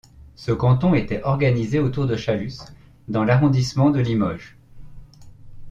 Ce canton était organisé autour de Châlus dans l'arrondissement de Limoges.